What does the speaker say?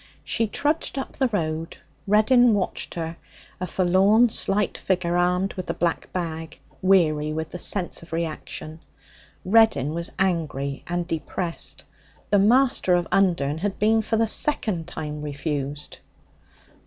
She trudged up the road. Reddin watched her, a forlorn, slight figure armed with the black bag, weary with the sense of reaction. Reddin was angry and depressed. The master of Undern had been for the second time refused.